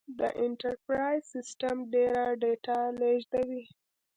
دا انټرپرایز سیسټم ډېره ډیټا لېږدوي.